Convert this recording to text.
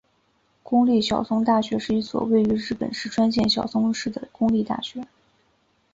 公立小松大学是一所位于日本石川县小松市的公立大学。